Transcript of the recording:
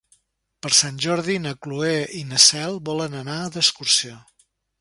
Per Sant Jordi na Cloè i na Cel volen anar d'excursió.